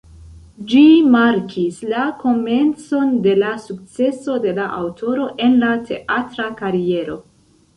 Ĝi markis la komencon de la sukceso de la aŭtoro en la teatra kariero.